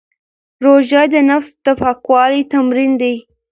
روژه د نفس د پاکوالي تمرین دی.